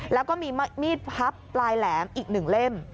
แล้วก็มีมีดพับปลายแหลมอีก๑เล่ม